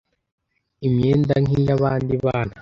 imyennda nki y’abandi bana ?